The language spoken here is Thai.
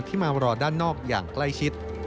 ที่มารอด้านนอกยังใกล้ชิด